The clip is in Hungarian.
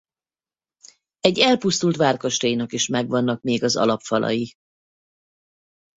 Egy elpusztult várkastélynak is megvannak még az alapfalai.